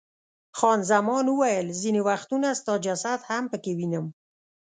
خان زمان وویل، ځیني وختونه ستا جسد هم پکې وینم.